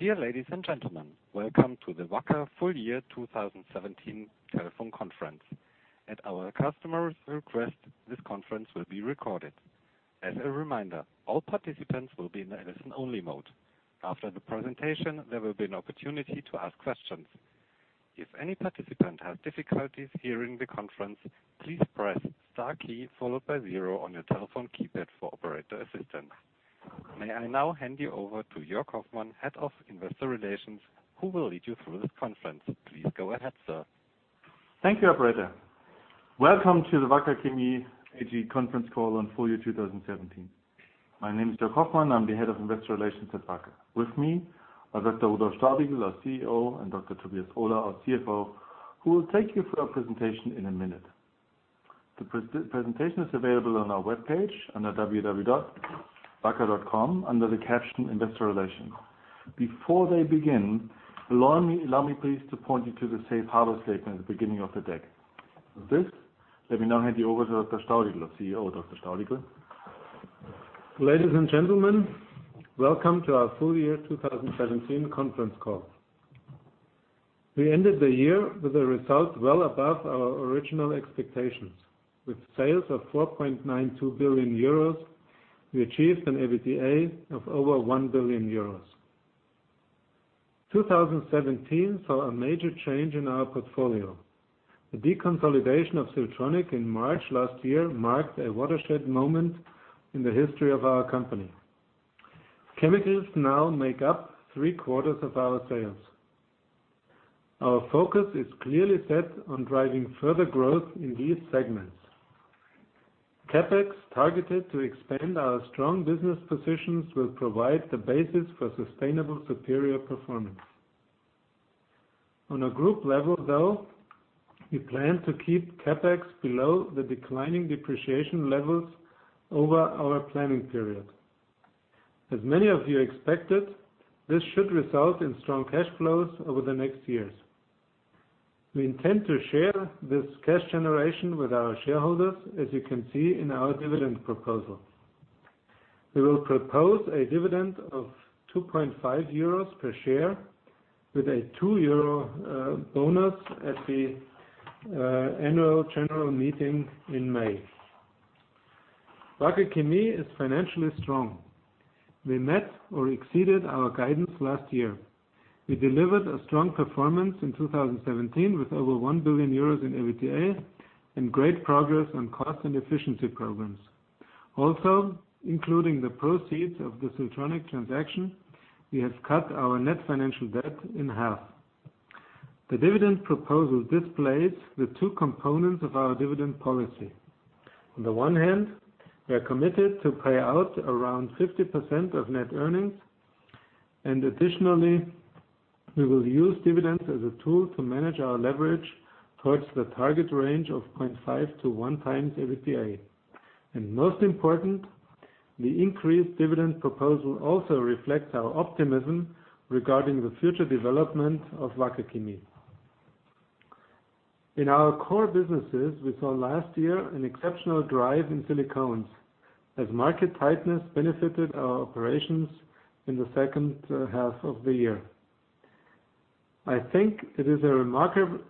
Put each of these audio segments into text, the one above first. Dear ladies and gentlemen. Welcome to the Wacker full year 2017 telephone conference. At our customers' request, this conference will be recorded. As a reminder, all participants will be in the listen-only mode. After the presentation, there will be an opportunity to ask questions. If any participant has difficulties hearing the conference, please press * key followed by zero on your telephone keypad for operator assistance. May I now hand you over to Joerg Hoffmann, Head of Investor Relations, who will lead you through this conference. Please go ahead, sir. Thank you, operator. Welcome to the Wacker Chemie AG conference call on full year 2017. My name is Joerg Hoffmann. I'm the Head of Investor Relations at Wacker. With me are Dr. Rudolf Staudigl, our CEO, and Dr. Tobias Ohler, our CFO, who will take you through our presentation in a minute. The presentation is available on our webpage under www.wacker.com under the caption Investor Relations. Before they begin, allow me please to point you to the safe harbor statement at the beginning of the deck. With this, let me now hand you over to Dr. Staudigl, our CEO. Dr. Staudigl. Ladies and gentlemen, welcome to our full year 2017 conference call. We ended the year with a result well above our original expectations. With sales of 4.92 billion euros, we achieved an EBITDA of over 1 billion euros. 2017 saw a major change in our portfolio. The deconsolidation of Siltronic in March last year marked a watershed moment in the history of our company. Chemicals now make up three-quarters of our sales. Our focus is clearly set on driving further growth in these segments. CapEx targeted to expand our strong business positions will provide the basis for sustainable superior performance. On a group level, though, we plan to keep CapEx below the declining depreciation levels over our planning period. As many of you expected, this should result in strong cash flows over the next years. We intend to share this cash generation with our shareholders, as you can see in our dividend proposal. We will propose a dividend of 2.5 euros per share with a 2 euro bonus at the annual general meeting in May. Wacker Chemie is financially strong. We met or exceeded our guidance last year. We delivered a strong performance in 2017 with over 1 billion euros in EBITDA and great progress on cost and efficiency programs. Also, including the proceeds of the Siltronic transaction, we have cut our net financial debt in half. The dividend proposal displays the two components of our dividend policy. On the one hand, we are committed to pay out around 50% of net earnings, and additionally, we will use dividends as a tool to manage our leverage towards the target range of 0.5 to one times EBITDA. Most important, the increased dividend proposal also reflects our optimism regarding the future development of Wacker Chemie. In our core businesses, we saw last year an exceptional drive in silicones, as market tightness benefited our operations in the second half of the year. I think it is remarkable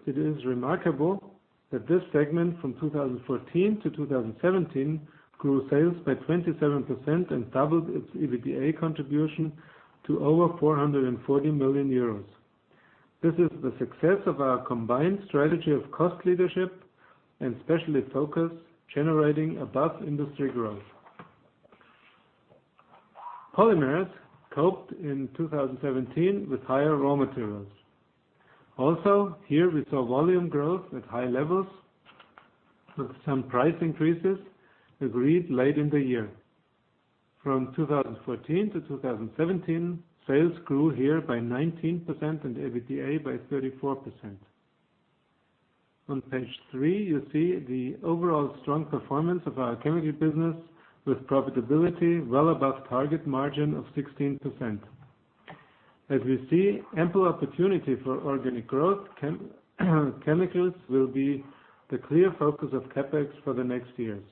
that this segment from 2014 to 2017 grew sales by 27% and doubled its EBITDA contribution to over 440 million euros. This is the success of our combined strategy of cost leadership and specialty focus, generating above-industry growth. Polymers coped in 2017 with higher raw materials. Also, here we saw volume growth at high levels with some price increases agreed late in the year. From 2014 to 2017, sales grew here by 19% and EBITDA by 34%. On page three, you see the overall strong performance of our chemistry business with profitability well above target margin of 16%. We see ample opportunity for organic growth, chemicals will be the clear focus of CapEx for the next years.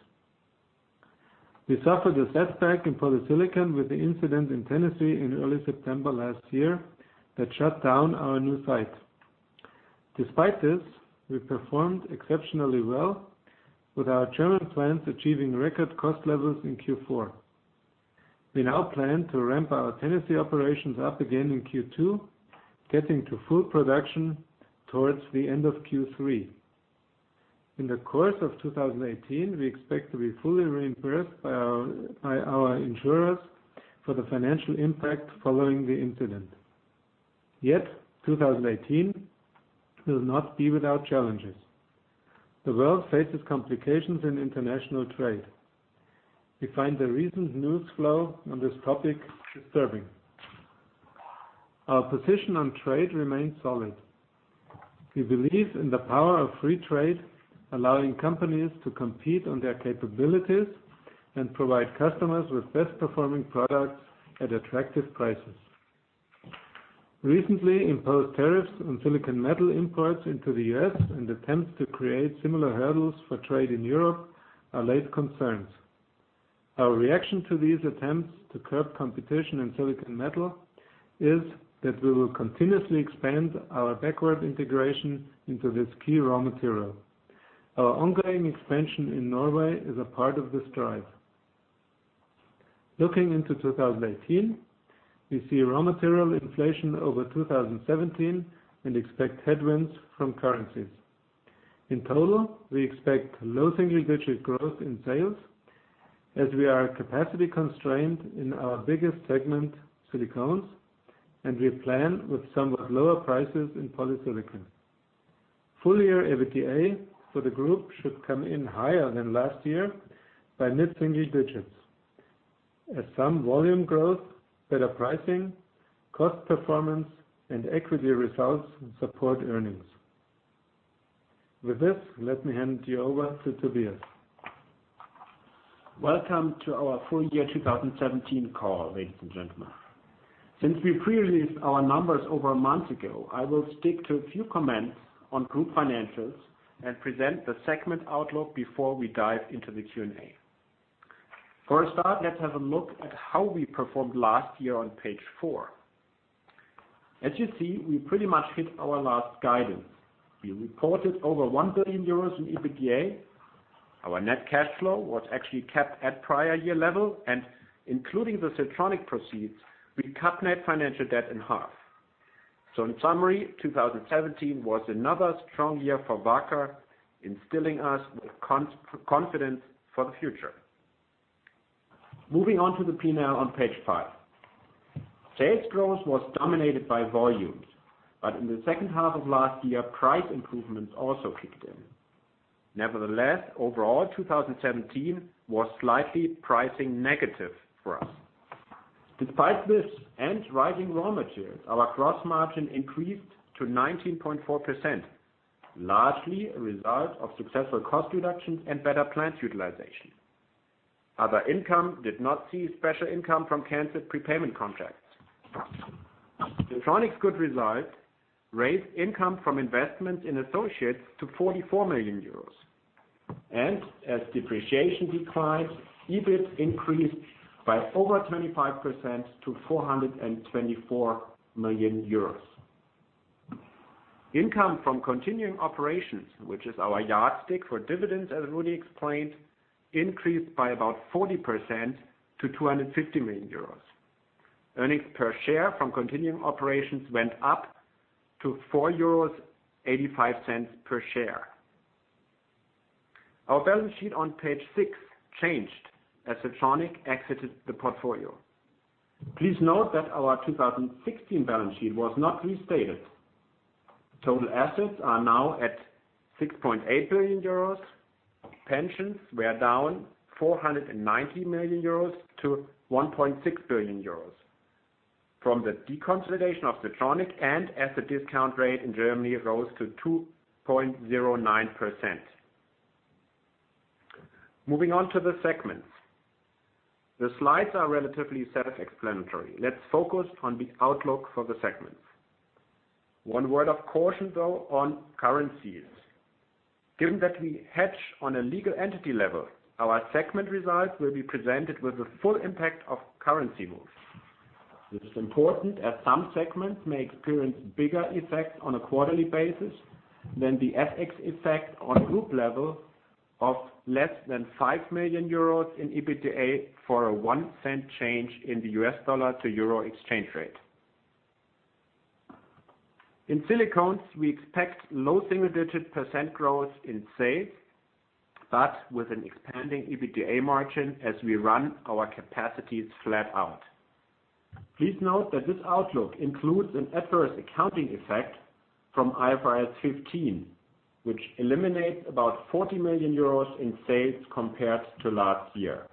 We suffered a setback in polysilicon with the incident in Tennessee in early September last year that shut down our new site. Despite this, we performed exceptionally well with our German plants achieving record cost levels in Q4. We now plan to ramp our Tennessee operations up again in Q2, getting to full production towards the end of Q3. In the course of 2018, we expect to be fully reimbursed by our insurers for the financial impact following the incident. Yet, 2018 will not be without challenges. The world faces complications in international trade. We find the recent news flow on this topic disturbing. Our position on trade remains solid. We believe in the power of free trade, allowing companies to compete on their capabilities and provide customers with best-performing products at attractive prices. Recently imposed tariffs on silicon metal imports into the U.S. and attempts to create similar hurdles for trade in Europe are late concerns. Our reaction to these attempts to curb competition in silicon metal is that we will continuously expand our backward integration into this key raw material. Our ongoing expansion in Norway is a part of this drive. Looking into 2018, we see raw material inflation over 2017 and expect headwinds from currencies. In total, we expect low single-digit growth in sales as we are capacity constrained in our biggest segment, silicones, and we plan with somewhat lower prices in polysilicon. Full year EBITDA for the group should come in higher than last year by mid-single digits. Some volume growth, better pricing, cost performance and equity results support earnings. With this, let me hand you over to Tobias. Welcome to our full year 2017 call, ladies and gentlemen. Since we pre-released our numbers over a month ago, I will stick to a few comments on group financials and present the segment outlook before we dive into the Q&A. For a start, let's have a look at how we performed last year on page four. As you see, we pretty much hit our last guidance. We reported over 1 billion euros in EBITDA. Our net cash flow was actually kept at prior year level, and including the Siltronic proceeds, we cut net financial debt in half. In summary, 2017 was another strong year for Wacker, instilling us with confidence for the future. Moving on to the P&L on page five. Sales growth was dominated by volumes, but in the second half of last year, price improvements also kicked in. Nevertheless, overall, 2017 was slightly pricing negative for us. Despite this and rising raw materials, our gross margin increased to 19.4%, largely a result of successful cost reductions and better plant utilization. Other income did not see special income from canceled prepayment contracts. Siltronic's good result raised income from investment in associates to 44 million euros. As depreciation declined, EBIT increased by over 25% to 424 million euros. Income from continuing operations, which is our yardstick for dividends, as Rudy explained, increased by about 40% to 250 million euros. Earnings per share from continuing operations went up to 4.85 euros per share. Our balance sheet on page six changed as Siltronic exited the portfolio. Please note that our 2016 balance sheet was not restated. Total assets are now at 6.8 billion euros. Pensions were down 490 million euros to 1.6 billion euros from the deconsolidation of Siltronic and as the discount rate in Germany rose to 2.09%. Moving on to the segments. The slides are relatively self-explanatory. Let's focus on the outlook for the segments. One word of caution, though, on currencies. Given that we hedge on a legal entity level, our segment results will be presented with the full impact of currency moves. This is important as some segments may experience bigger effects on a quarterly basis than the FX effect on group level of less than 5 million euros in EBITDA for a $0.01 change in the U.S. dollar to euro exchange rate. In silicones, we expect low single-digit percent growth in sales, but with an expanding EBITDA margin as we run our capacities flat out. Please note that this outlook includes an adverse accounting effect from IFRS 15, which eliminates about 40 million euros in sales compared to last year.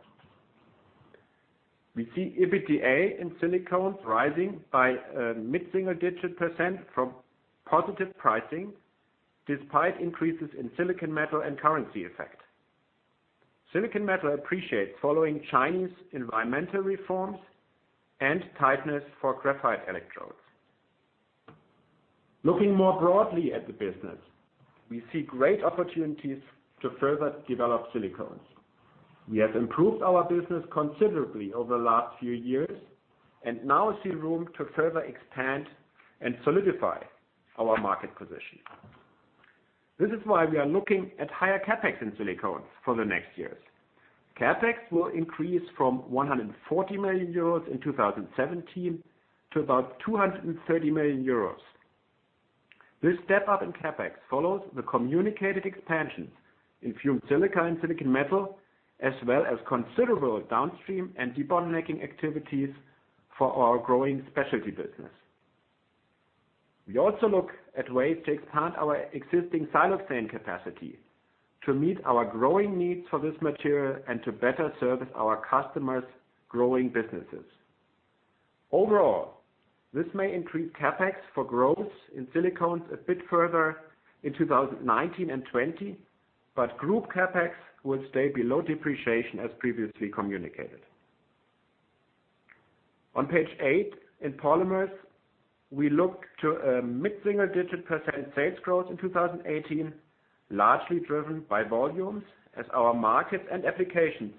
We see EBITDA in silicones rising by a mid-single-digit percent from positive pricing despite increases in silicon metal and currency effect. Silicon metal appreciates following Chinese environmental reforms and tightness for graphite electrodes. Looking more broadly at the business, we see great opportunities to further develop silicones. We have improved our business considerably over the last few years and now see room to further expand and solidify our market position. This is why we are looking at higher CapEx in silicones for the next years. CapEx will increase from 140 million euros in 2017 to about 230 million euros. This step-up in CapEx follows the communicated expansions in fumed silica and silicon metal, as well as considerable downstream and debottlenecking activities for our growing specialty business. We also look at ways to expand our existing siloxane capacity to meet our growing needs for this material and to better service our customers' growing businesses. Overall, this may increase CapEx for growth in silicones a bit further in 2019 and 2020. But group CapEx will stay below depreciation as previously communicated. On page eight, in Polymers, we look to a mid-single-digit % sales growth in 2018, largely driven by volumes as our markets and applications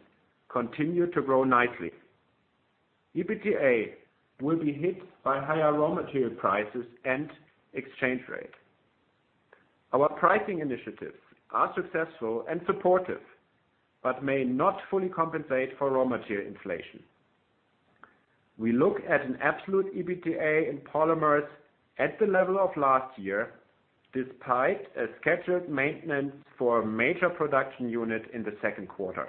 continue to grow nicely. EBITDA will be hit by higher raw material prices and exchange rate. Our pricing initiatives are successful and supportive, but may not fully compensate for raw material inflation. We look at an absolute EBITDA in Polymers at the level of last year, despite a scheduled maintenance for a major production unit in the second quarter.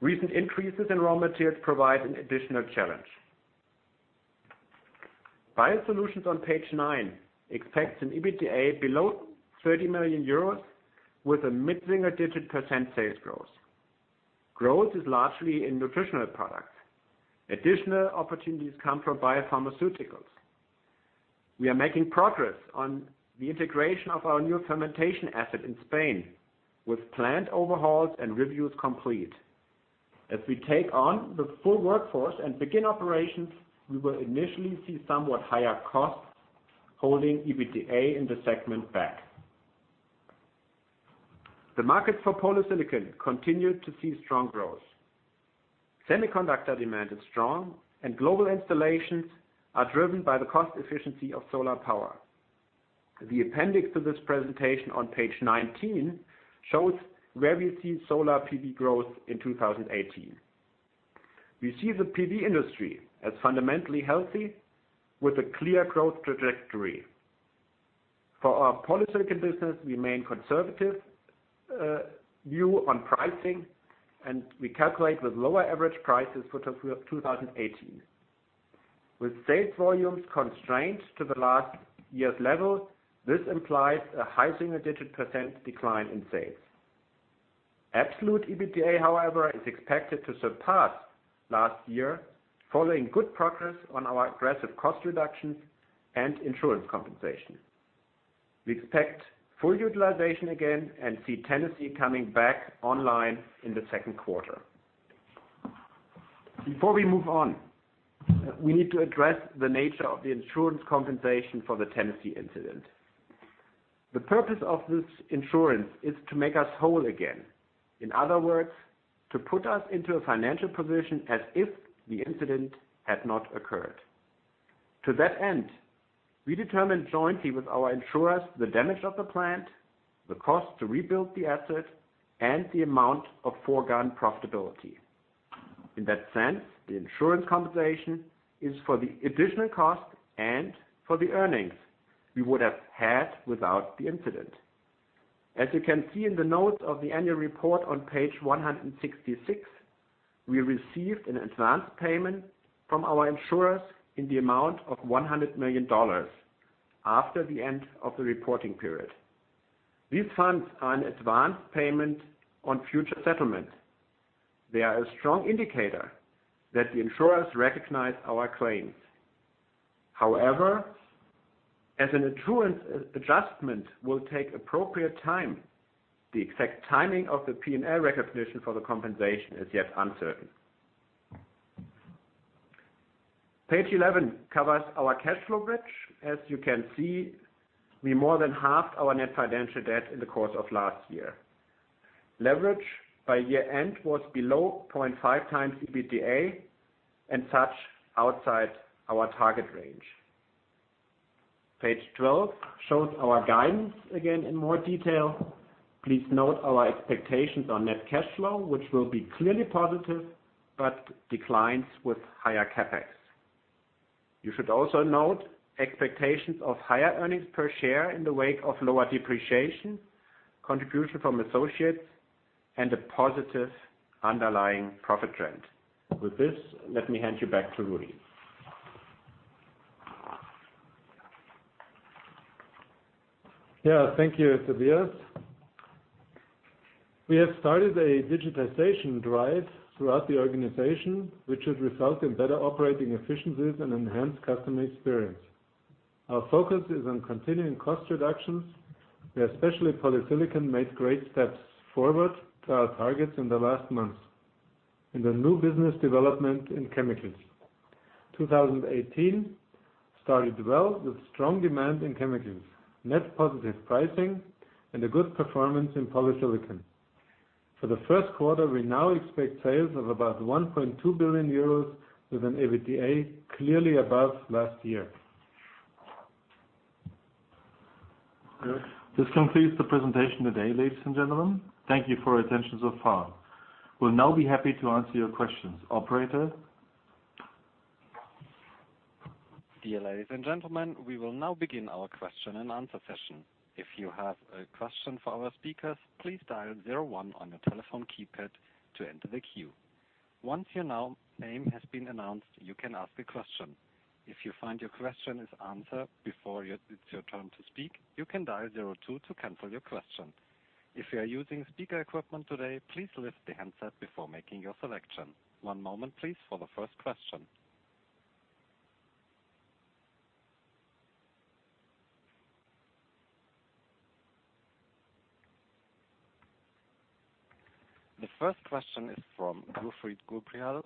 Recent increases in raw materials provide an additional challenge. WACKER BIOSOLUTIONS on page nine expects an EBITDA below 30 million euros with a mid-single-digit % sales growth. Growth is largely in nutritional products. Additional opportunities come from biopharmaceuticals. We are making progress on the integration of our new fermentation asset in Spain, with plant overhauls and reviews complete. As we take on the full workforce and begin operations, we will initially see somewhat higher costs, holding EBITDA in the segment back. The markets for polysilicon continue to see strong growth. Semiconductor demand is strong, and global installations are driven by the cost efficiency of solar power. The appendix to this presentation on page 19 shows where we see solar PV growth in 2018. We see the PV industry as fundamentally healthy, with a clear growth trajectory. For our polysilicon business, we remain conservative view on pricing, and we calculate with lower average prices for 2018. With sales volumes constrained to the last year's level, this implies a high single-digit % decline in sales. Absolute EBITDA, however, is expected to surpass last year following good progress on our aggressive cost reductions and insurance compensation. We expect full utilization again and see Tennessee coming back online in the second quarter. Before we move on, we need to address the nature of the insurance compensation for the Tennessee incident. The purpose of this insurance is to make us whole again. In other words, to put us into a financial position as if the incident had not occurred. To that end, we determine jointly with our insurers the damage of the plant, the cost to rebuild the asset, and the amount of foregone profitability. In that sense, the insurance compensation is for the additional cost and for the earnings we would have had without the incident. As you can see in the note of the annual report on page 166, we received an advance payment from our insurers in the amount of $100 million after the end of the reporting period. These funds are an advance payment on future settlement. They are a strong indicator that the insurers recognize our claims. However, as an insurance adjustment will take appropriate time, the exact timing of the P&L recognition for the compensation is yet uncertain. Page 11 covers our cash flow bridge. As you can see, we more than halved our net financial debt in the course of last year. Leverage by year-end was below 0.5x EBITDA, and such outside our target range. Page 12 shows our guidance again in more detail. Please note our expectations on net cash flow, which will be clearly positive but declines with higher CapEx. You should also note expectations of higher earnings per share in the wake of lower depreciation, contribution from associates, and a positive underlying profit trend. With this, let me hand you back to Rudi. Yeah, thank you, Tobias. We have started a digitization drive throughout the organization, which should result in better operating efficiencies and enhanced customer experience. Our focus is on continuing cost reductions, where especially polysilicon made great steps forward to our targets in the last months, and the new business development in chemicals. 2018 started well with strong demand in chemicals, net positive pricing, and a good performance in polysilicon. For the first quarter, we now expect sales of about 1.2 billion euros with an EBITDA clearly above last year. This concludes the presentation today, ladies and gentlemen. Thank you for your attention so far. We'll now be happy to answer your questions. Operator? Dear ladies and gentlemen, we will now begin our question-and-answer session. If you have a question for our speakers, please dial zero one on your telephone keypad to enter the queue. Once your name has been announced, you can ask a question. If you find your question is answered before it's your turn to speak, you can dial zero two to cancel your question. If you are using speaker equipment today, please lift the handset before making your selection. One moment, please, for the first question. The first question is from Geoff Haire.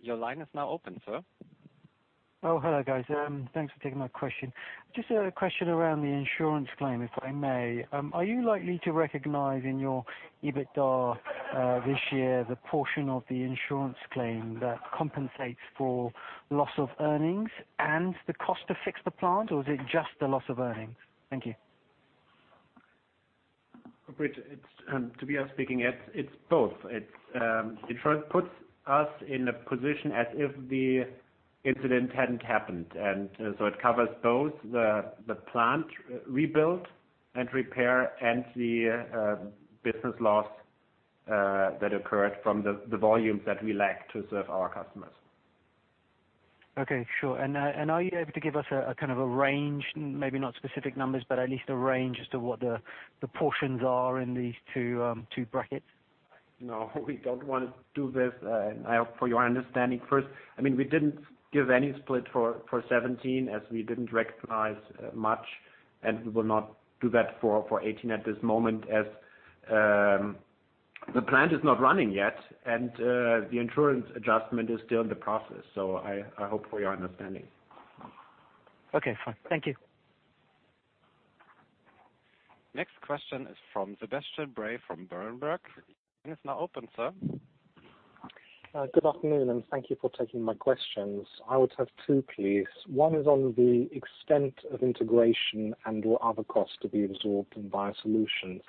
Your line is now open, sir. Oh, hello, guys. Thanks for taking my question. Just a question around the insurance claim, if I may. Are you likely to recognize in your EBITDA this year the portion of the insurance claim that compensates for loss of earnings and the cost to fix the plant, or is it just the loss of earnings? Thank you. Geoff Haire, it's Tobias speaking. It's both. The insurance puts us in a position as if the incident hadn't happened. It covers both the plant rebuild and repair and the business loss that occurred from the volume that we lack to serve our customers. Okay, sure. Are you able to give us a kind of a range, maybe not specific numbers, but at least a range as to what the portions are in these two brackets? No, we don't want to do this. I hope for your understanding first. We didn't give any split for 2017 as we didn't recognize much, and we will not do that for 2018 at this moment as the plant is not running yet. The insurance adjustment is still in the process. I hope for your understanding. Okay, fine. Thank you. Next question is from Sebastian Bray from Berenberg. Line is now open, sir. Good afternoon, thank you for taking my questions. I would have two, please. One is on the extent of integration and/or other costs to be absorbed in WACKER BIOSOLUTIONS.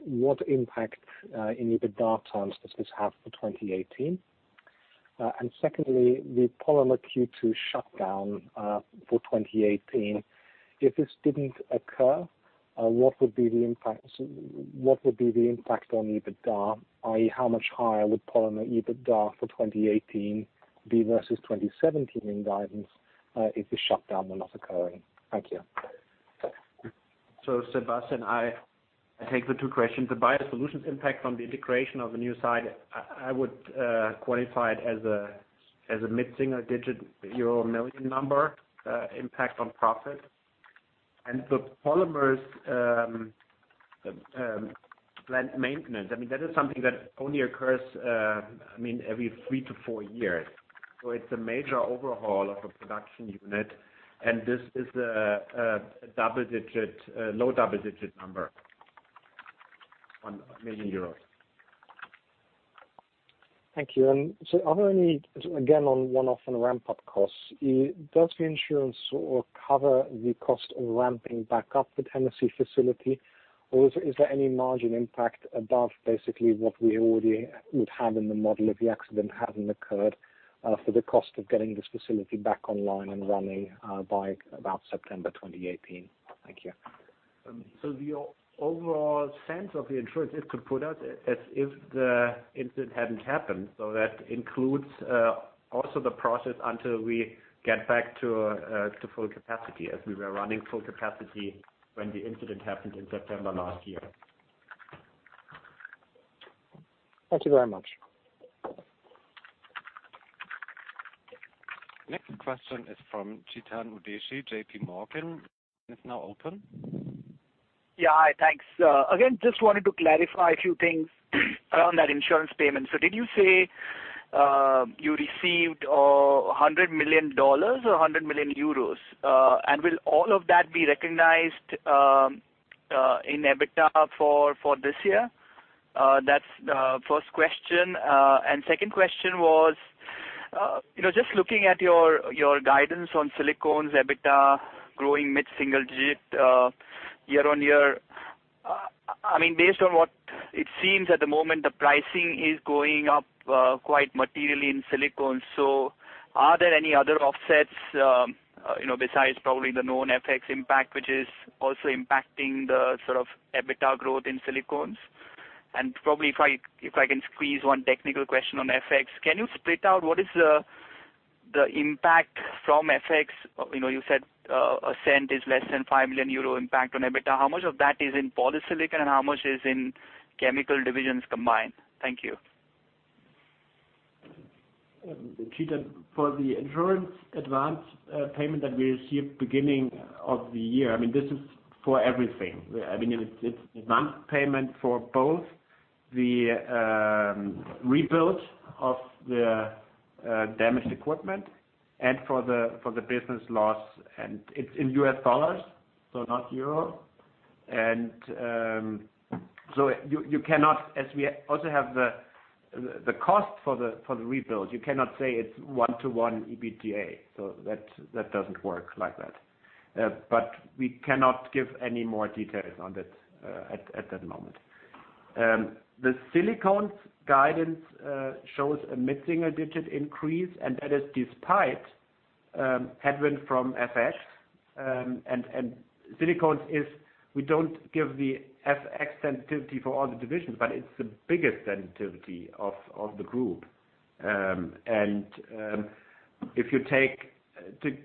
What impact in EBITDA terms does this have for 2018? Secondly, the polymer Q2 shutdown for 2018. If this didn't occur, what would be the impact on EBITDA, i.e., how much higher would polymer EBITDA for 2018 be versus 2017 in guidance if the shutdown were not occurring? Thank you. Sebastian, I take the two questions. The WACKER BIOSOLUTIONS impact from the integration of the new site, I would qualify it as a mid-single digit euro million number impact on profit. The polymers plant maintenance, that is something that only occurs every three to four years. It's a major overhaul of a production unit, this is a low double-digit number on a million euros. Thank you. Are there any, again, on one-off and ramp-up costs, does the insurance cover the cost of ramping back up the Tennessee facility or is there any margin impact above basically what we already would have in the model if the accident hadn't occurred for the cost of getting this facility back online and running by about September 2018? Thank you. The overall sense of the insurance is to put us as if the incident hadn't happened. That includes also the process until we get back to full capacity as we were running full capacity when the incident happened in September last year. Thank you very much. Next question is from Chetan Udeshi, J.P. Morgan. Line is now open. Yeah. Hi, thanks. Again, just wanted to clarify a few things around that insurance payment. Did you say you received $100 million or 100 million euros? Will all of that be recognized in EBITDA for this year? That's the first question. Second question was, just looking at your guidance on silicones EBITDA growing mid-single digit year-on-year. Based on what it seems at the moment, the pricing is going up quite materially in silicones. Are there any other offsets besides probably the known FX impact, which is also impacting the sort of EBITDA growth in silicones? Probably if I can squeeze one technical question on FX. Can you split out what is the impact from FX? You said a cent is less than 5 million euro impact on EBITDA. How much of that is in polysilicon and how much is in chemical divisions combined? Thank you. Chetan, for the insurance advance payment that we received beginning of the year, this is for everything. It's advance payment for both the rebuild of the damaged equipment and for the business loss. It's in US dollars, so not EUR. You cannot, as we also have the cost for the rebuild, you cannot say it's one-to-one EBITDA. That doesn't work like that. We cannot give any more details on it at that moment. The silicones guidance shows a mid-single-digit increase, and that is despite headwind from FX. Silicones is, we don't give the FX sensitivity for all the divisions, but it's the biggest sensitivity of the group. If you take that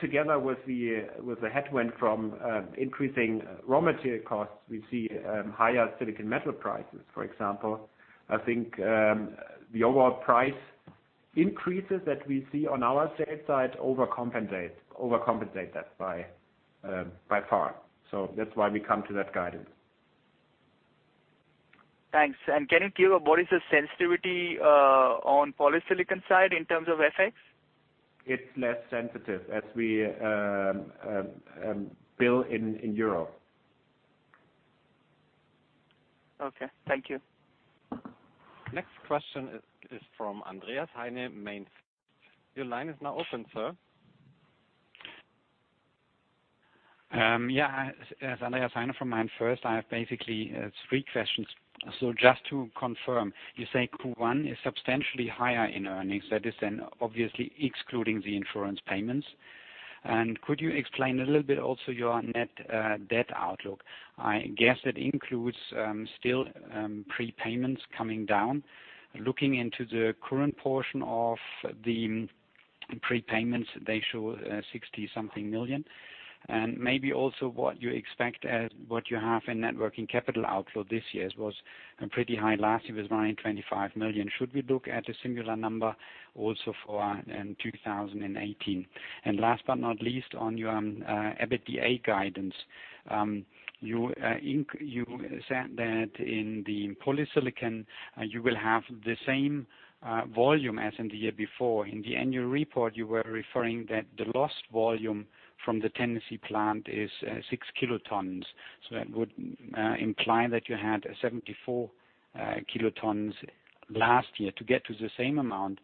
together with the headwind from increasing raw material costs, we see higher silicon metal prices, for example. I think the overall price increases that we see on our sales side overcompensate that by far. That's why we come to that guidance. Thanks. Can you give what is the sensitivity on polysilicon side in terms of FX? It's less sensitive as we bill in Euro. Okay. Thank you. Next question is from Andreas Heine, MainFirst. Your line is now open, sir. It's Andreas Heine from MainFirst. I have basically three questions. Just to confirm, you say Q1 is substantially higher in earnings. That is obviously excluding the insurance payments. Could you explain a little bit also your net debt outlook? I guess it includes still prepayments coming down. Looking into the current portion of the prepayments, they show 60 something million. Maybe also what you expect as what you have in net working capital outflow this year. It was pretty high last year, it was 125 million. Should we look at a similar number also for 2018? Last but not least, on your EBITDA guidance. You said that in the polysilicon, you will have the same volume as in the year before. In the annual report, you were referring that the lost volume from the Tennessee plant is six kilotons. That would imply that you had 74 kilotons last year. To get to the same amount,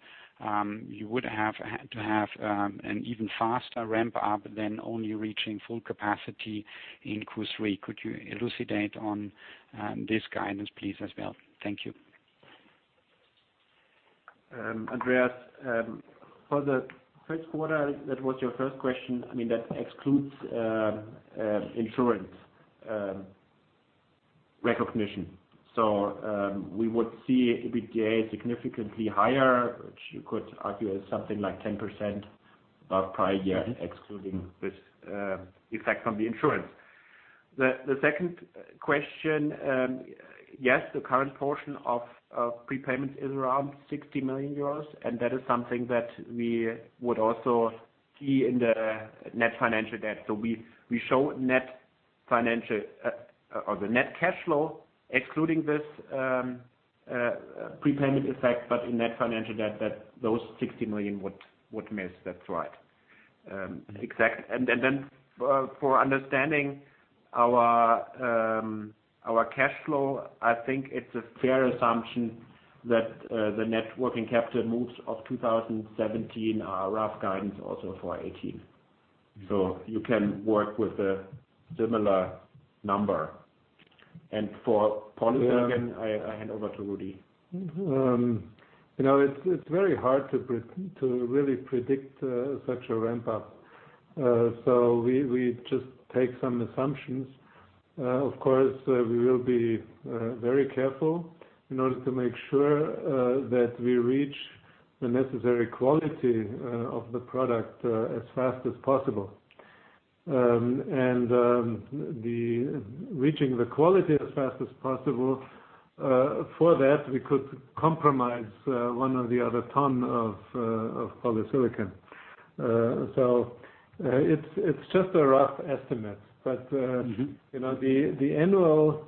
you would have to have an even faster ramp-up than only reaching full capacity in Q3. Could you elucidate on this guidance, please, as well? Thank you. Andreas, for the first quarter, that was your first question, that excludes insurance recognition. We would see EBITDA significantly higher, which you could argue is something like 10% prior year, excluding this effect from the insurance. The second question. Yes, the current portion of prepayment is around 60 million euros, and that is something that we would also see in the net financial debt. We show the net cash flow excluding this prepayment effect, but in net financial debt, those 60 million would miss. That's right. Exactly. For understanding our cash flow, I think it's a fair assumption that the net working capital moves of 2017 are a rough guidance also for 2018. You can work with a similar number. For polysilicon, I hand over to Rudi. You know, it's very hard to really predict such a ramp-up. We just take some assumptions. Of course, we will be very careful in order to make sure that we reach the necessary quality of the product as fast as possible. Reaching the quality as fast as possible, for that, we could compromise one or the other ton of polysilicon. It's just a rough estimate. The annual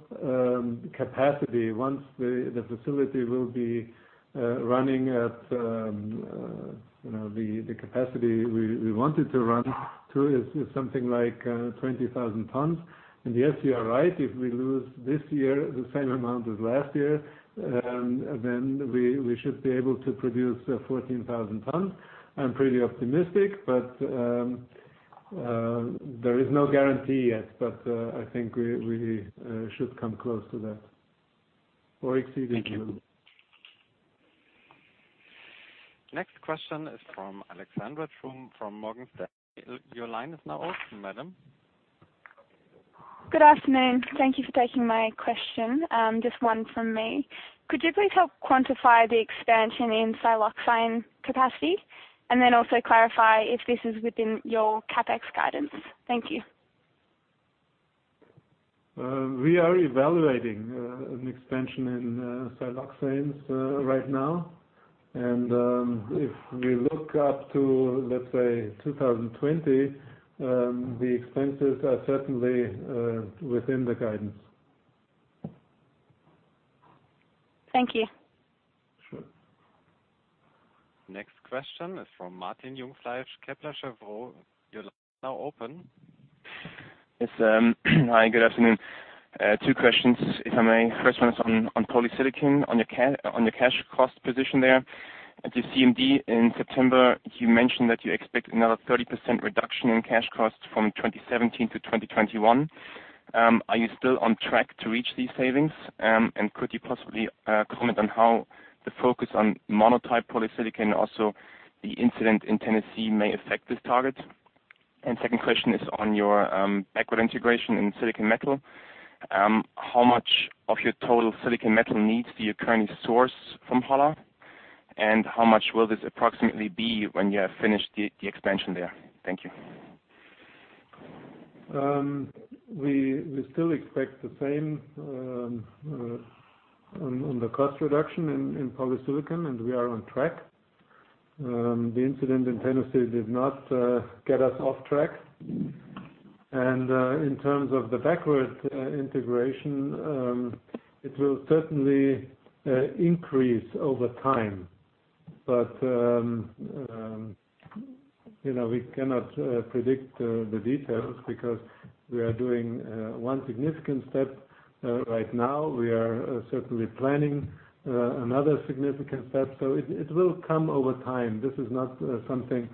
capacity, once the facility will be running at the capacity we want it to run to is something like 20,000 tons. Yes, you are right. If we lose this year the same amount as last year, then we should be able to produce 14,000 tons. I'm pretty optimistic, but there is no guarantee yet. I think we should come close to that or exceed it even. Thank you. Next question is from Alexandra Thrum from Morgan Stanley. Your line is now open, madam. Good afternoon. Thank you for taking my question. Just one from me. Could you please help quantify the expansion in siloxane capacity? Also clarify if this is within your CapEx guidance. Thank you. We are evaluating an expansion in siloxanes right now. If we look up to, let's say, 2020, the expenses are certainly within the guidance. Thank you. Sure. Next question is from Martin Jungfleisch, Kepler Cheuvreux. Your line is now open. Yes. Hi, good afternoon. Two questions, if I may. First one is on polysilicon, on your cash cost position there. At your CMD in September, you mentioned that you expect another 30% reduction in cash costs from 2017 to 2021. Are you still on track to reach these savings? Could you possibly comment on how the focus on monosilicon, also the incident in Tennessee may affect this target? Second question is on your backward integration in silicon metal. How much of your total silicon metal needs do you currently source from Holla? How much will this approximately be when you have finished the expansion there? Thank you. We still expect the same on the cost reduction in polysilicon, and we are on track. The incident in Tennessee did not get us off track. In terms of the backward integration, it will certainly increase over time. We cannot predict the details because we are doing one significant step right now. We are certainly planning another significant step. It will come over time. This is not something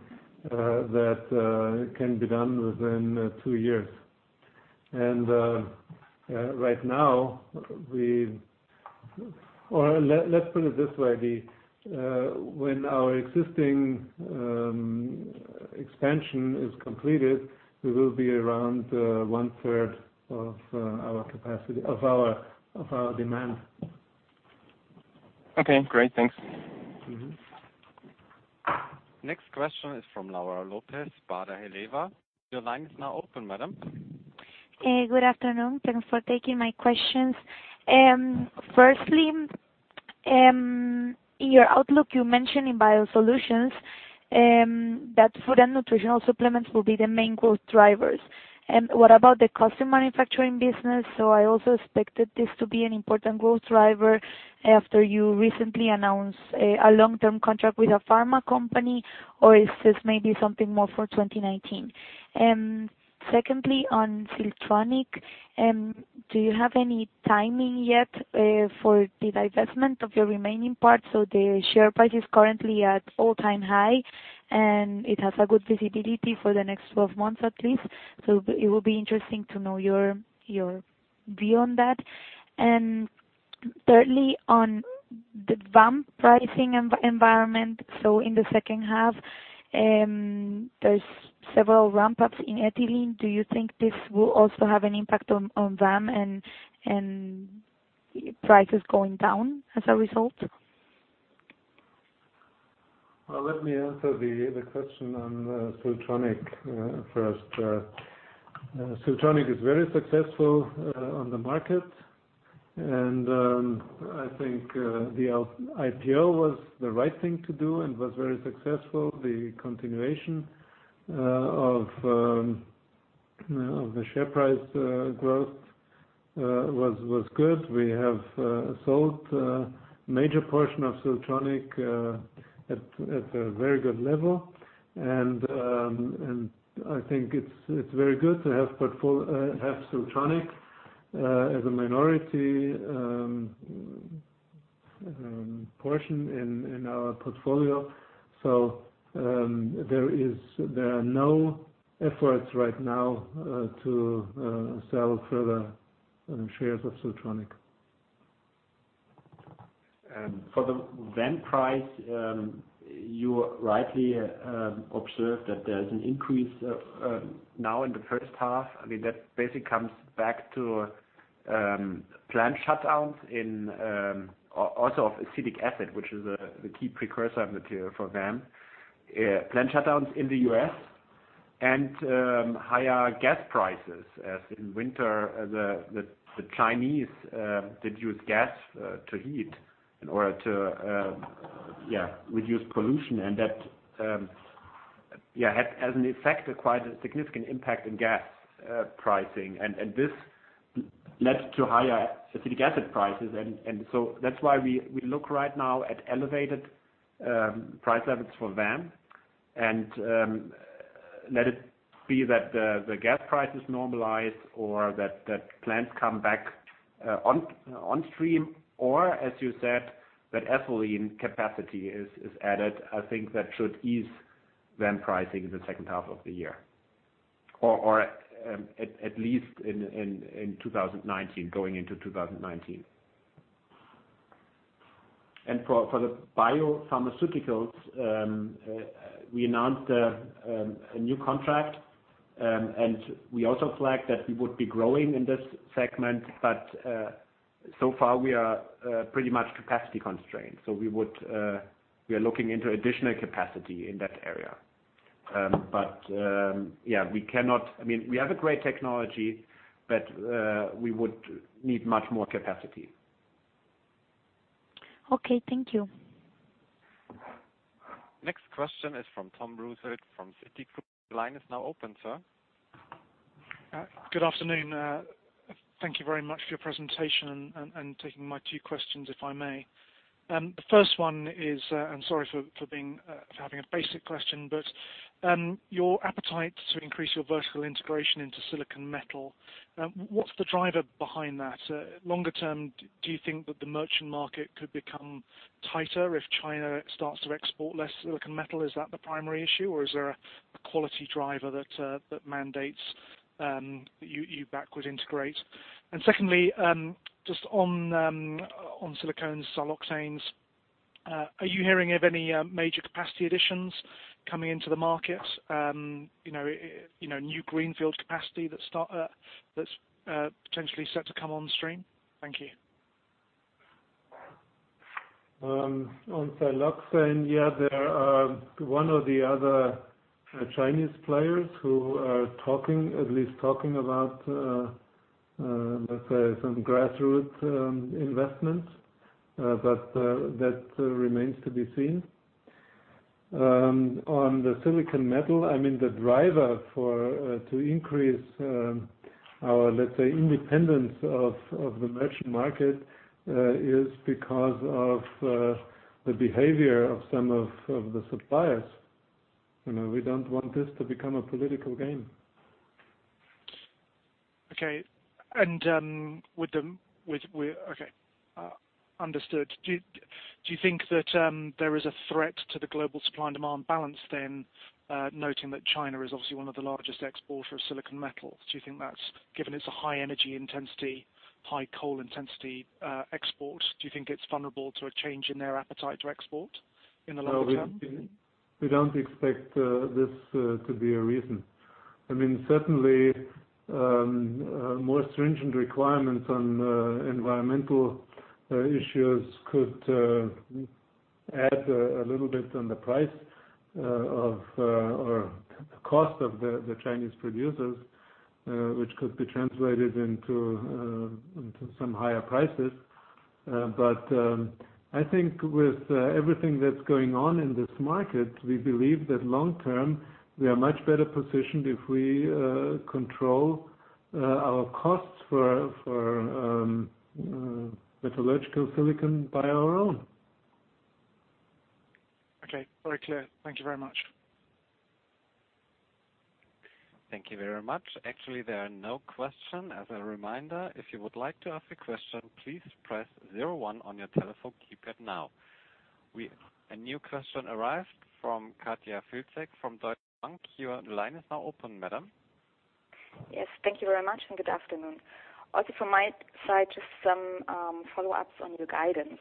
that can be done within two years. Right now, let's put it this way, Dee. When our existing expansion is completed, we will be around one-third of our demand. Okay, great. Thanks. Next question is from Laura Lopez, Baader Helvea. Your line is now open, madam. Good afternoon. Thanks for taking my questions. Firstly, in your outlook, you mention in WACKER BIOSOLUTIONS that food and nutritional supplements will be the main growth drivers. What about the custom manufacturing business? I also expected this to be an important growth driver after you recently announced a long-term contract with a pharma company. Or is this maybe something more for 2019? Secondly, on Siltronic, do you have any timing yet for the divestment of your remaining part? The share price is currently at all-time high, and it has a good visibility for the next 12 months at least. It would be interesting to know your view on that. Thirdly, on the VAM pricing environment, in the second half, there's several ramp-ups in ethylene. Do you think this will also have an impact on VAM and prices going down as a result? Well, let me answer the question on Siltronic first. Siltronic is very successful on the market, and I think the IPO was the right thing to do and was very successful. The continuation of the share price growth was good. We have sold a major portion of Siltronic at a very good level. I think it's very good to have Siltronic as a minority portion in our portfolio. There are no efforts right now to sell further shares of Siltronic. For the VAM price, you rightly observed that there is an increase now in the first half. That basically comes back to plant shutdowns in acetic acid, which is the key precursor material for VAM. Plant shutdowns in the U.S., and higher gas prices, as in winter, the Chinese did use gas to heat in order to reduce pollution. That has had quite a significant impact in gas pricing. This led to higher acetic acid prices. That's why we look right now at elevated price levels for VAM. Let it be that the gas prices normalize or that plants come back on stream or, as you said, that ethylene capacity is added. I think that should ease VAM pricing in the second half of the year. Or at least in 2019, going into 2019. For the biopharmaceuticals, we announced a new contract. We also flagged that we would be growing in this segment. So far, we are pretty much capacity constrained. We are looking into additional capacity in that area. We have a great technology, but we would need much more capacity. Okay, thank you. Next question is from Tom Wrigglesworth from Citigroup. Your line is now open, sir. Good afternoon. Thank you very much for your presentation and taking my two questions, if I may. The first one is, I'm sorry for having a basic question, but your appetite to increase your vertical integration into silicon metal. What's the driver behind that? Longer term, do you think that the merchant market could become tighter if China starts to export less silicon metal? Is that the primary issue, or is there a quality driver that mandates that you backward integrate? Secondly, just on silicones, siloxanes, are you hearing of any major capacity additions coming into the market? New greenfield capacity that's potentially set to come on stream? Thank you. On siloxanes, in India, there are one or the other Chinese players who are at least talking about, let's say, some grassroots investment. That remains to be seen. On the silicon metal, the driver to increase our, let's say, independence of the merchant market is because of the behavior of some of the suppliers. We don't want this to become a political game. Okay. Understood. Do you think that there is a threat to the global supply and demand balance then, noting that China is obviously one of the largest exporters of silicon metal? Given it's a high energy intensity, high coal intensity export, do you think it's vulnerable to a change in their appetite to export in the longer term? No. We don't expect this to be a reason. Certainly, more stringent requirements on environmental issues could add a little bit on the price of, or cost of the Chinese producers, which could be translated into some higher prices. I think with everything that's going on in this market, we believe that long term, we are much better positioned if we control our costs for metallurgical silicon by our own. Okay. Very clear. Thank you very much. There are no question. As a reminder, if you would like to ask a question, please press zero one on your telephone keypad now. A new question arrived from Katja Filzek from Deutsche Bank. Your line is now open, madam. Yes. Thank you very much. Good afternoon. Also from my side, just some follow-ups on your guidance.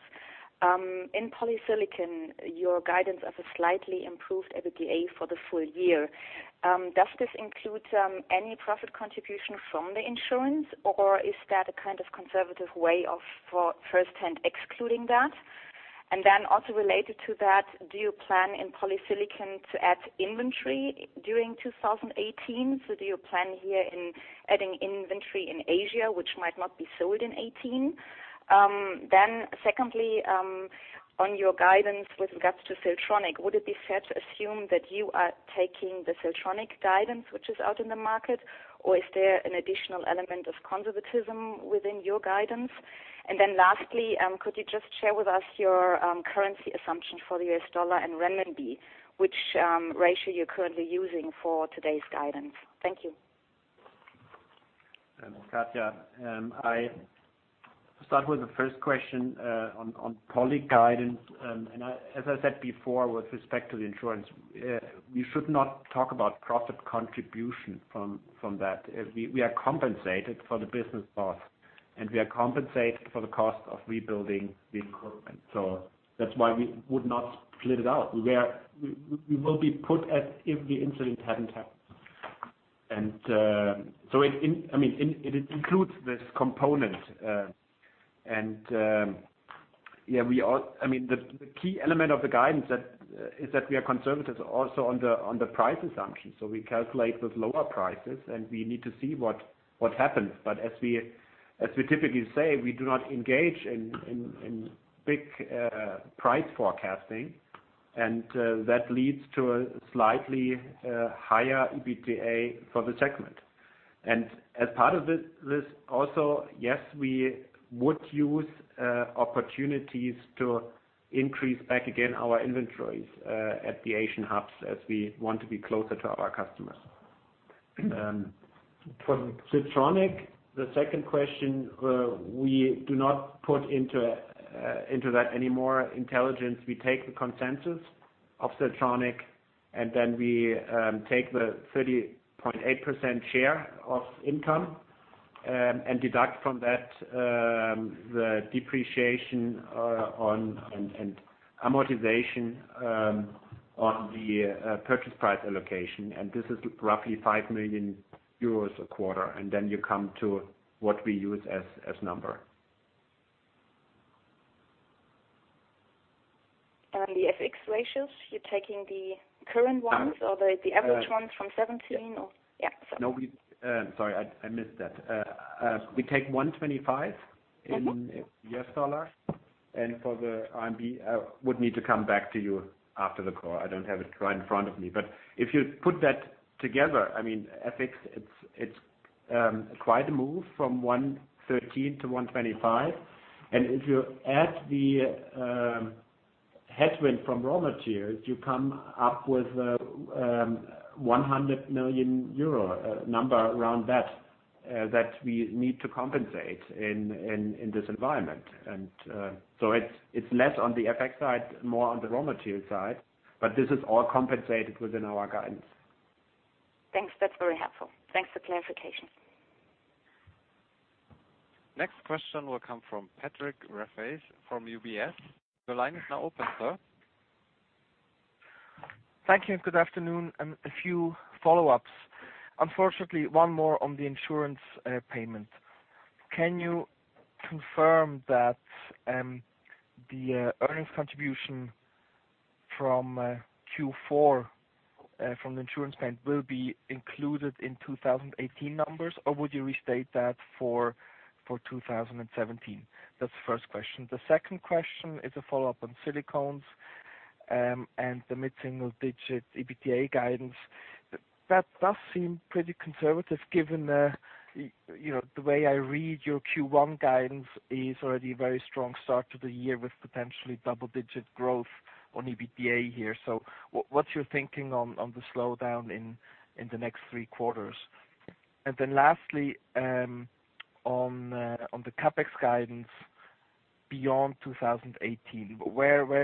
In polysilicon, your guidance has a slightly improved EBITDA for the full year. Does this include any profit contribution from the insurance, or is that a kind of conservative way of firsthand excluding that? Do you plan in polysilicon to add inventory during 2018? Do you plan here in adding inventory in Asia, which might not be sold in 2018? Secondly, on your guidance with regards to Siltronic, would it be fair to assume that you are taking the Siltronic guidance, which is out in the market, or is there an additional element of conservatism within your guidance? Lastly, could you just share with us your currency assumption for the US dollar and renminbi, which ratio you're currently using for today's guidance? Thank you. Thanks, Katja. I start with the first question on poly guidance. As I said before, with respect to the insurance, we should not talk about profit contribution from that. We are compensated for the business loss, and we are compensated for the cost of rebuilding the equipment. That's why we would not split it out. We will be put as if the incident hadn't happened. It includes this component. The key element of the guidance is that we are conservative also on the price assumption. We calculate with lower prices, and we need to see what happens. As we typically say, we do not engage in big price forecasting, and that leads to a slightly higher EBITDA for the segment. As part of this also, yes, we would use opportunities to increase back again our inventories at the Asian hubs as we want to be closer to our customers. For Siltronic, the second question, we do not put into that anymore intelligence. We take the consensus of Siltronic, and then we take the 30.8% share of income, and deduct from that the depreciation and amortization on the purchase price allocation, and this is roughly 5 million euros a quarter, and then you come to what we use as number. The FX ratios, you're taking the current ones or the average ones from 2017 or? Yeah. Sorry. No. Sorry, I missed that. We take 125 in U.S. dollars. For the RMB, I would need to come back to you after the call. I don't have it right in front of me. If you put that together, FX, it's quite a move from 113 to 125. If you add the headwind from raw materials, you come up with a 100 million euro number around that we need to compensate in this environment. It's less on the FX side, more on the raw material side, but this is all compensated within our guidance. Thanks. That's very helpful. Thanks for clarification. Next question will come from Patrick Rafaisz from UBS. Your line is now open, sir. Thank you and good afternoon. A few follow-ups. Unfortunately, one more on the insurance payment. Can you confirm that the earnings contribution from Q4 from the insurance payment will be included in 2018 numbers, or would you restate that for 2017? That's the first question. The second question is a follow-up on silicones and the mid-single-digit EBITDA guidance. That does seem pretty conservative given the way I read your Q1 guidance is already a very strong start to the year with potentially double-digit growth on EBITDA here. What's your thinking on the slowdown in the next three quarters? Lastly, on the CapEx guidance beyond 2018, what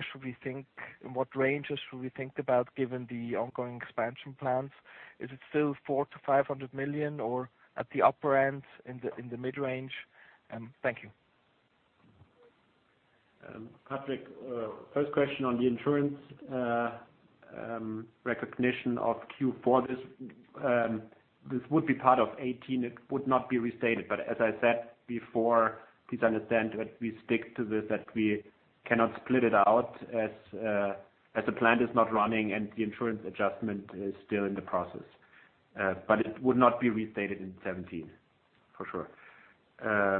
ranges should we think about given the ongoing expansion plans? Is it still 400 million-500 million or at the upper end in the mid-range? Thank you. Patrick, first question on the insurance recognition of Q4. This would be part of 2018. It would not be restated. As I said before, please understand that we stick to this, that we cannot split it out as the plant is not running and the insurance adjustment is still in the process. It would not be restated in 2017, for sure.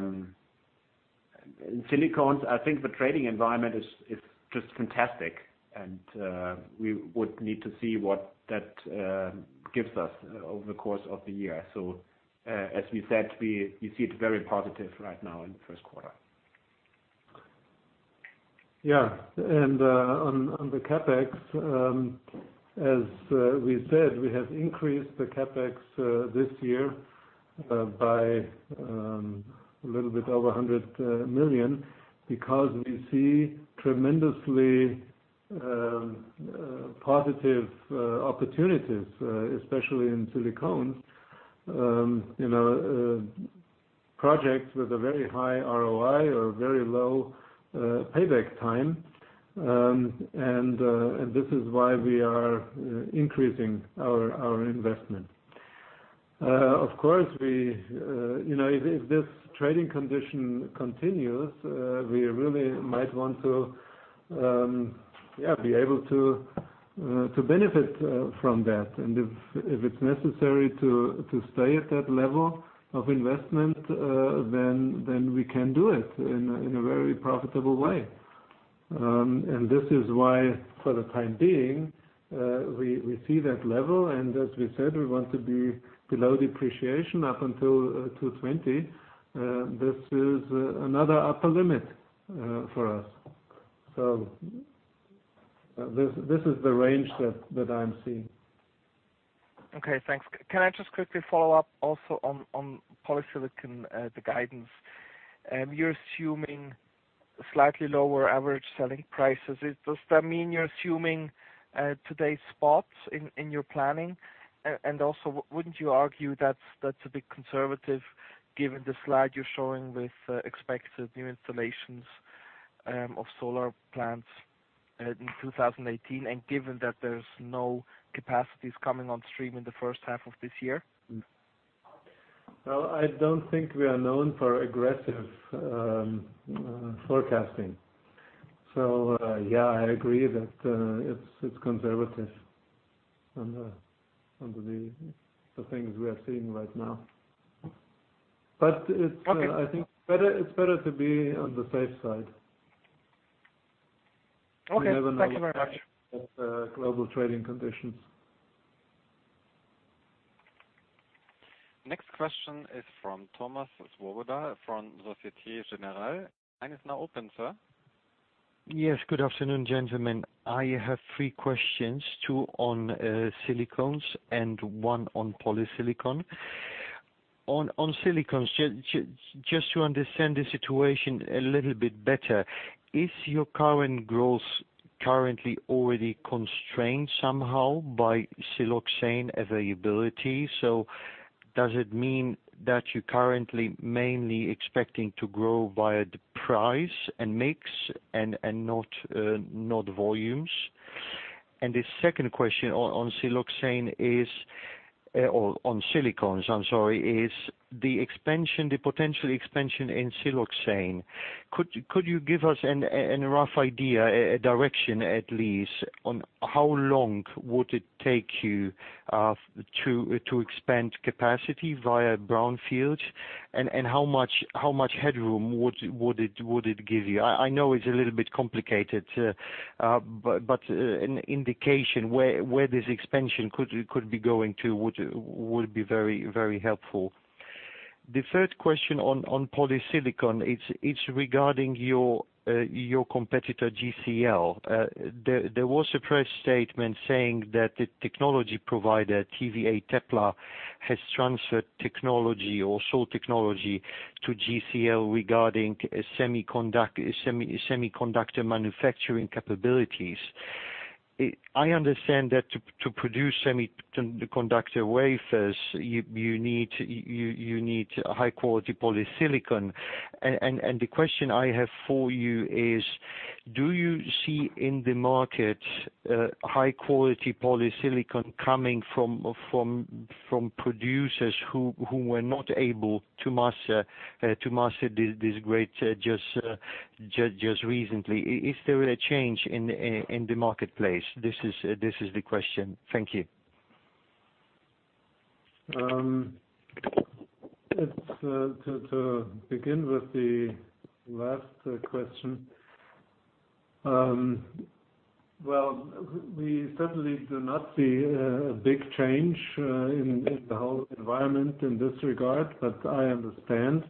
In Silicones, I think the trading environment is just fantastic, and we would need to see what that gives us over the course of the year. As we said, we see it very positive right now in the first quarter. On the CapEx, as we said, we have increased the CapEx this year by a little bit over 100 million because we see tremendously positive opportunities, especially in Silicones. Projects with a very high ROI or very low payback time. This is why we are increasing our investment. Of course, if this trading condition continues, we really might want to be able to benefit from that. If it's necessary to stay at that level of investment, then we can do it in a very profitable way. This is why, for the time being, we see that level. As we said, we want to be below depreciation up until 2020. This is another upper limit for us. This is the range that I'm seeing. Okay, thanks. Can I just quickly follow up also on polysilicon, the guidance? You're assuming slightly lower average selling prices. Does that mean you're assuming today's spots in your planning? Also, wouldn't you argue that's a bit conservative given the slide you're showing with expected new installations of solar plants in 2018, and given that there's no capacities coming on stream in the first half of this year? I don't think we are known for aggressive forecasting. Yeah, I agree that it's conservative under the things we are seeing right now. Okay I think it is better to be on the safe side. Okay. Thank you very much. We never know with the global trading conditions. Next question is from Thomas Swoboda from Société Générale. Line is now open, sir. Yes. Good afternoon, gentlemen. I have three questions, two on silicones and one on polysilicon. On silicones, just to understand the situation a little bit better, is your current growth currently already constrained somehow by siloxane availability? Does it mean that you're currently mainly expecting to grow via the price and mix and not volumes? The second question on silicones, I'm sorry, is the potential expansion in siloxane. Could you give us a rough idea, a direction at least, on how long would it take you to expand capacity via brownfields? How much headroom would it give you? I know it's a little bit complicated, but an indication where this expansion could be going to would be very helpful. The third question on polysilicon, it's regarding your competitor, GCL. There was a press statement saying that the technology provider, TVA Teutla, has transferred technology or sold technology to GCL regarding semiconductor manufacturing capabilities. I understand that to produce semiconductor wafers, you need high-quality polysilicon. The question I have for you is Do you see in the market high-quality polysilicon coming from producers who were not able to master this grade just recently? Is there a change in the marketplace? This is the question. Thank you. To begin with the last question. Well, we certainly do not see a big change in the whole environment in this regard, but I understand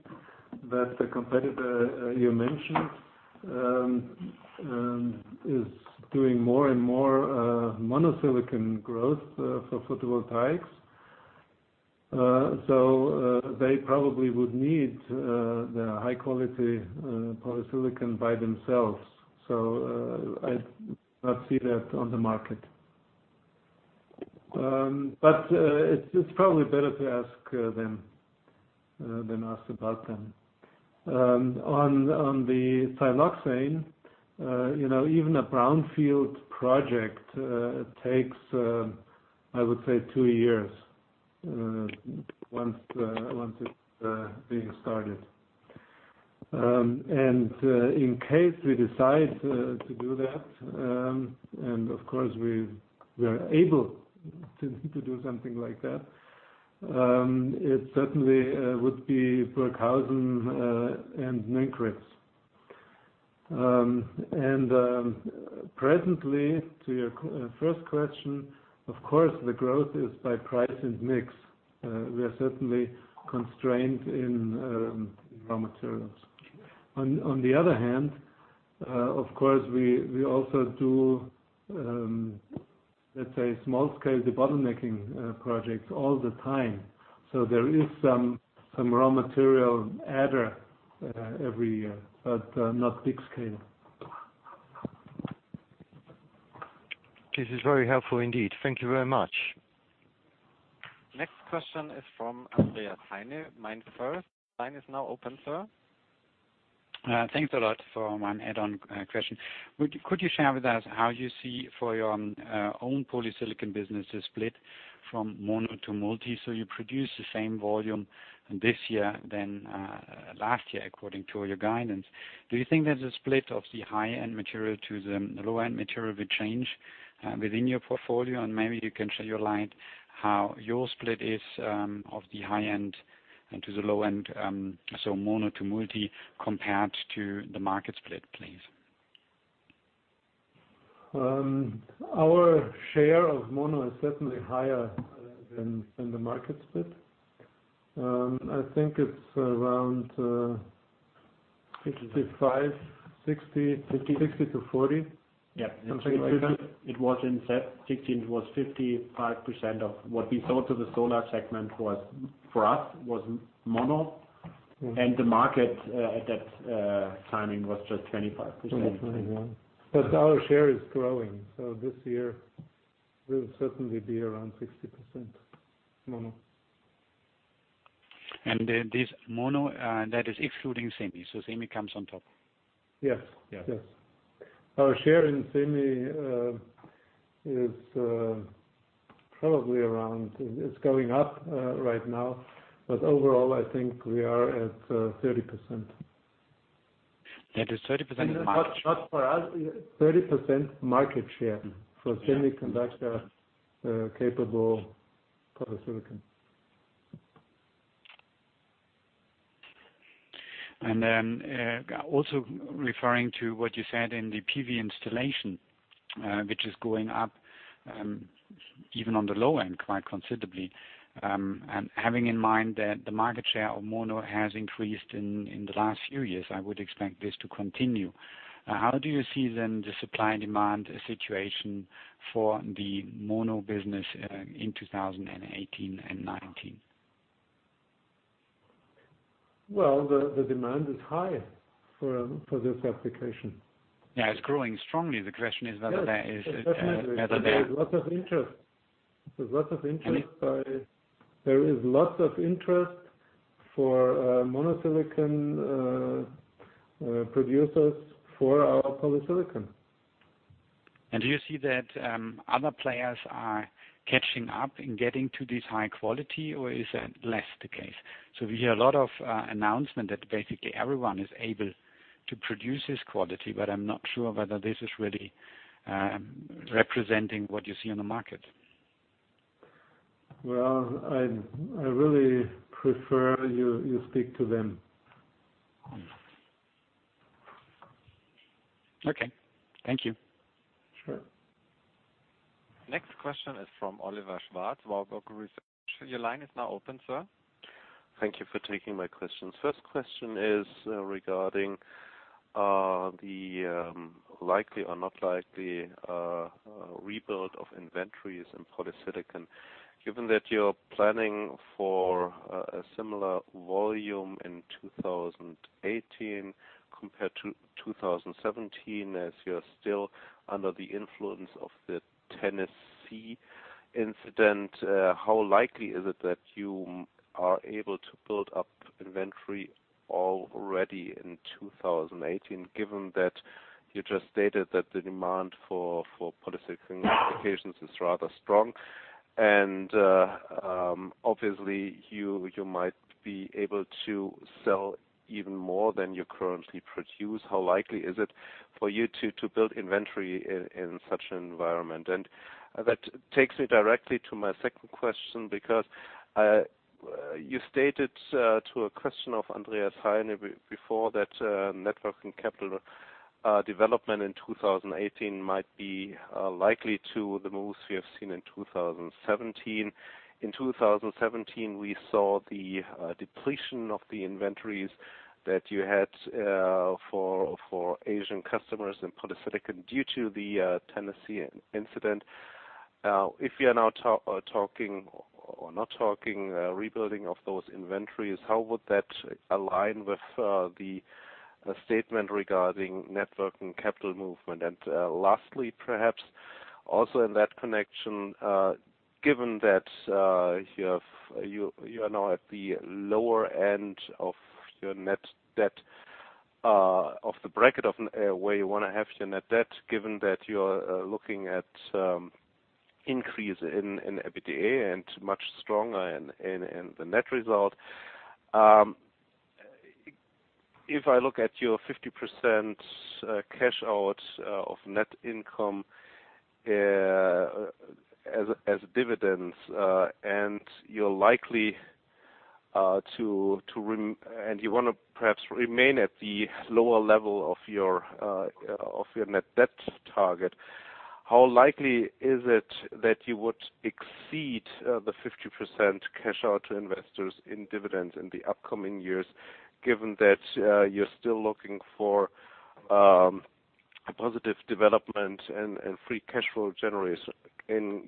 that the competitor you mentioned is doing more and more monosilicon growth for photovoltaics. They probably would need the high-quality polysilicon by themselves. I do not see that on the market. It's probably better to ask them than ask about them. On the siloxane, even a brownfield project takes, I would say, 2 years once it's being started. In case we decide to do that, and of course, we are able to do something like that, it certainly would be Burghausen and Nünchritz. Presently, to your first question, of course, the growth is by price and mix. We are certainly constrained in raw materials. On the other hand, of course, we also do, let's say, small-scale debottlenecking projects all the time. There is some raw material adder every year, but not big scale. This is very helpful indeed. Thank you very much. Next question is from Andreas Heine, MainFirst. Line is now open, sir. Thanks a lot. For my add-on question. Could you share with us how you see for your own polysilicon business is split from mono to multi? You produce the same volume this year than last year, according to your guidance. Do you think there is a split of the high-end material to the low-end material will change within your portfolio? Maybe you can shed your light how your split is of the high end and to the low end, so mono to multi, compared to the market split, please. Our share of mono is certainly higher than the market split. I think it is around 65, 60/40. Yeah. Something like that. It was in 2016, it was 55% of what we sold to the solar segment for us, was mono. The market at that timing was just 25%. 25, yeah. Our share is growing, this year will certainly be around 60% mono. This mono, that is excluding semi. Semi comes on top. Yes. Yes. Our share in semi is probably around, it's going up right now, but overall, I think we are at 30%. That is 30% of the market share. Not for us. 30% market share for semiconductor capable polysilicon. Also referring to what you said in the PV installation, which is going up, even on the low end, quite considerably. Having in mind that the market share of mono has increased in the last few years, I would expect this to continue. How do you see then the supply and demand situation for the mono business in 2018 and 2019? Well, the demand is high for this application. Yeah, it's growing strongly. The question is whether there Yes, definitely. There's lots of interest. There is lots of interest for monosilicon producers for our polysilicon. Do you see that other players are catching up in getting to this high quality, or is that less the case? We hear a lot of announcement that basically everyone is able to produce this quality, but I'm not sure whether this is really representing what you see on the market. Well, I really prefer you speak to them. Okay. Thank you. Sure. Next question is from Oliver Schwarz, Warburg Research. Your line is now open, sir. Thank you for taking my questions. First question is regarding the likely or not likely rebuild of inventories in polysilicon. Given that you're planning for a similar volume in 2018 compared to 2017, as you are still under the influence of the Tennessee incident, how likely is it that you are able to build up inventory already in 2018, given that You just stated that the demand for polysilicon applications is rather strong. Obviously, you might be able to sell even more than you currently produce. How likely is it for you to build inventory in such an environment? That takes me directly to my second question, because you stated to a question of Andreas Heine before that networking capital development in 2018 might be likely to the moves we have seen in 2017. In 2017, we saw the depletion of the inventories that you had for Asian customers and polysilicon due to the Tennessee incident. If you're now talking or not talking rebuilding of those inventories, how would that align with the statement regarding network and capital movement? Lastly, perhaps also in that connection, given that you are now at the lower end of your net debt, of the bracket of where you want to have your net debt, given that you are looking at increase in EBITDA and much stronger in the net result. If I look at your 50% cash out of net income as dividends, and you want to perhaps remain at the lower level of your net debt target, how likely is it that you would exceed the 50% cash out to investors in dividends in the upcoming years, given that you're still looking for a positive development and free cash flow generation in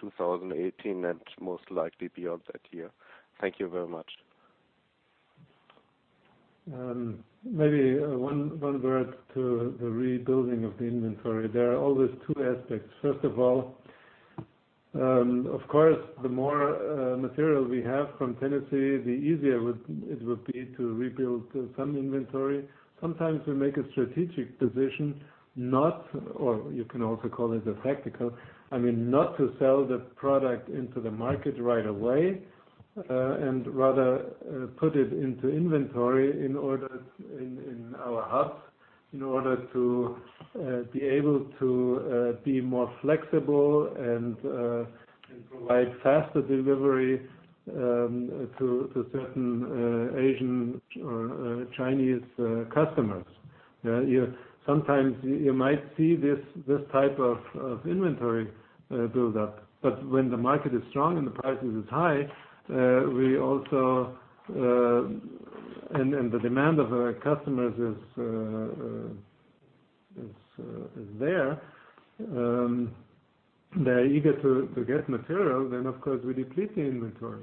2018 and most likely beyond that year? Thank you very much. Maybe one word to the rebuilding of the inventory. There are always two aspects. First of all, of course, the more material we have from Tennessee, the easier it would be to rebuild some inventory. Sometimes we make a strategic decision, or you can also call it a tactical, not to sell the product into the market right away, and rather put it into inventory in our hubs in order to be able to be more flexible and provide faster delivery to certain Asian or Chinese customers. Sometimes you might see this type of inventory build-up. When the market is strong and the prices is high, and the demand of our customers is there, they're eager to get material, then, of course, we deplete the inventory.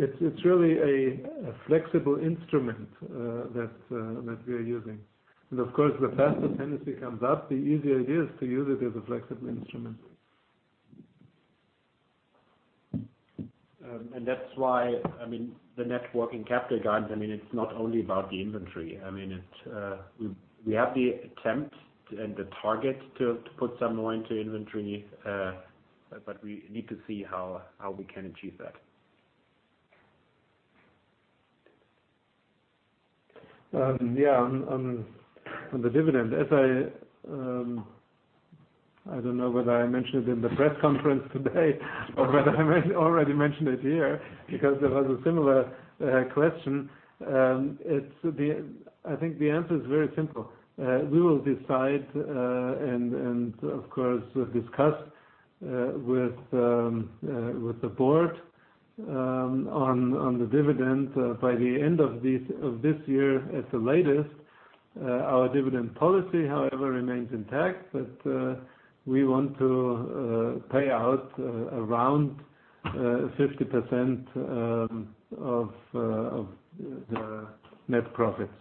It's really a flexible instrument that we are using. Of course, the faster Tennessee comes up, the easier it is to use it as a flexible instrument. That's why the net working capital guides, it's not only about the inventory. We have the attempt and the target to put some more into inventory, but we need to see how we can achieve that. Yeah, on the dividend. I don't know whether I mentioned it in the press conference today or whether I already mentioned it here because there was a similar question. I think the answer is very simple. We will decide, and of course, discuss with the board on the dividend by the end of this year at the latest. Our dividend policy, however, remains intact, but we want to pay out around 50% of the net profits.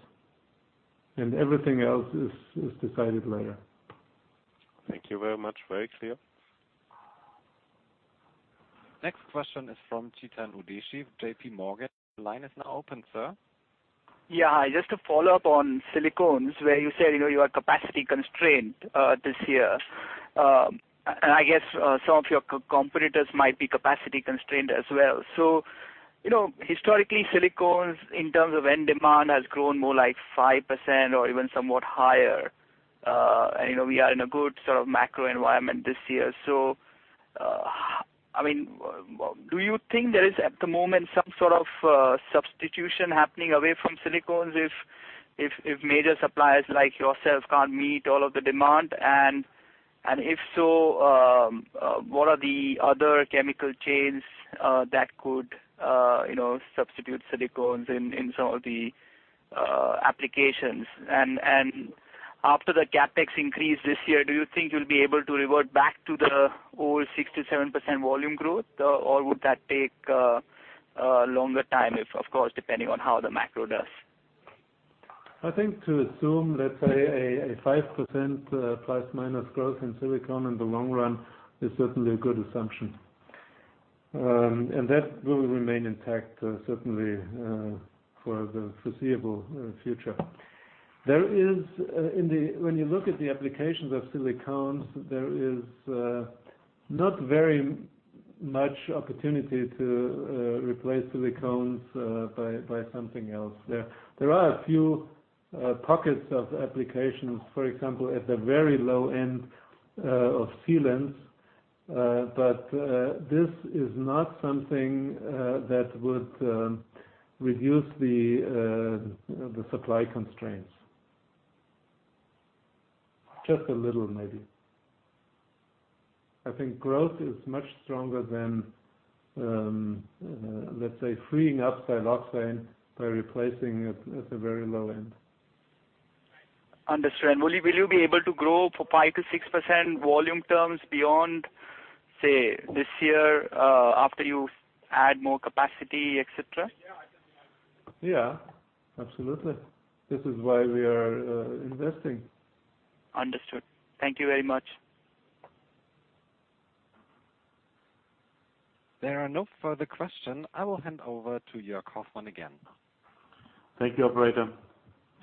Everything else is decided later. Thank you very much. Very clear. Next question is from Chetan Udeshi of J.P. Morgan. Line is now open, sir. Yeah. Just to follow up on silicones, where you said you are capacity-constrained this year. I guess some of your competitors might be capacity-constrained as well. Historically, silicones, in terms of end demand, has grown more like 5% or even somewhat higher. We are in a good macro environment this year. Do you think there is, at the moment, some sort of substitution happening away from silicones if major suppliers like yourself can't meet all of the demand? If so, what are the other chemical chains that could substitute silicones in some of the applications? After the CapEx increase this year, do you think you'll be able to revert back to the old 67% volume growth? Would that take a longer time if, of course, depending on how the macro does? I think to assume, let's say a 5% plus or minus growth in silicone in the long run is certainly a good assumption. That will remain intact, certainly, for the foreseeable future. When you look at the applications of silicones, there is not very much opportunity to replace silicones by something else. There are a few pockets of applications, for example, at the very low end of sealants. This is not something that would reduce the supply constraints. Just a little, maybe. I think growth is much stronger than, let's say, freeing up siloxane by replacing it at the very low end. Understood. Will you be able to grow for 5%-6% volume terms beyond, say, this year, after you add more capacity, et cetera? Yeah, absolutely. This is why we are investing. Understood. Thank you very much. There are no further questions. I will hand over to Joerg Hoffmann again. Thank you, operator.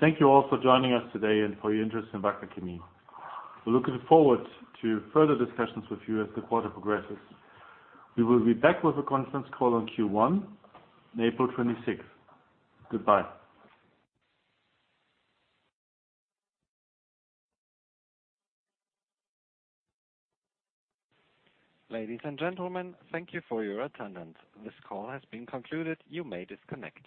Thank you all for joining us today and for your interest in Wacker Chemie. We are looking forward to further discussions with you as the quarter progresses. We will be back with a conference call on Q1, April 26th. Goodbye. Ladies and gentlemen, thank you for your attendance. This call has been concluded. You may disconnect.